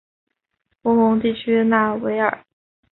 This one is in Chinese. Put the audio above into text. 博蒙地区讷维尔。